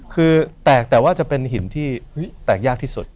คือแตกแต่ว่าจะเป็นหินที่แตกยากที่สุด